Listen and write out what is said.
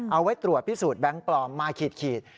เอาไว้ตรวจพิสูจน์แบงค์ปลอมมาขีด